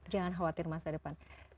jangan khawatir masa depan